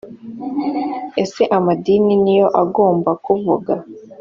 ese amadini ni yo agomba kuvuga